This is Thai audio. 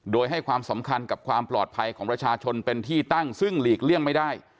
โดยให้ความสำคัญกับความปลอดภัยของประชาชนเป็นที่ตั้งซึ่งหลีกเลี่ยงไม่ได้